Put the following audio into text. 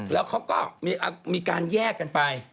แล้วเขาก็มีการแยกกันไป